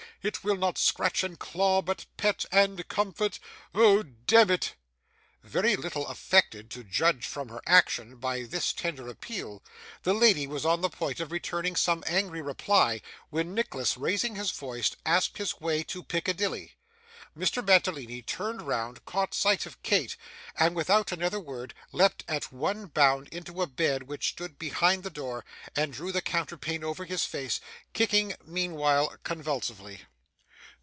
It will not scratch and claw, but pet and comfort? Oh, demmit!' Very little affected, to judge from her action, by this tender appeal, the lady was on the point of returning some angry reply, when Nicholas, raising his voice, asked his way to Piccadilly. Mr. Mantalini turned round, caught sight of Kate, and, without another word, leapt at one bound into a bed which stood behind the door, and drew the counterpane over his face: kicking meanwhile convulsively.